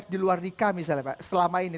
di luar nikah misalnya pak selama ini